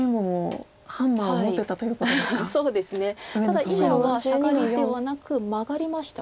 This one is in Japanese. ただ今はサガリではなくマガりました。